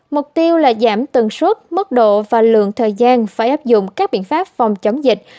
mục tiêu là giảm tần suất mức độ và lượng thời gian phải áp dụng các biện pháp phòng chống dịch